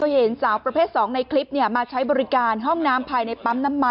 เห็นสาวประเภท๒ในคลิปมาใช้บริการห้องน้ำภายในปั๊มน้ำมัน